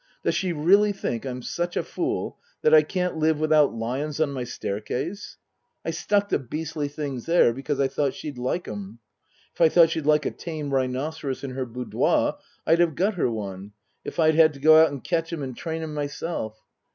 Does she really think I'm such a fool that I can't live without lions on my staircase ? I stuck the beastly things there because I thought she'd like 'em. If I thought she'd like a tame rhinoceros in her boudoir I'd have got her one, if I'd 'ad to go out and catch 'im and train 'im myself.